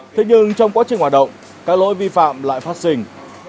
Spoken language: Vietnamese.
thế nhưng trong quá trình hoạt động các lỗi vi phạm lại phát sinh